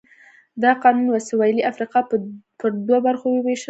دا قانون سوېلي افریقا پر دوو برخو ووېشله.